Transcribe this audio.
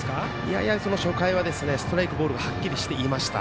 やや初回はストライクとボールがはっきりしていました。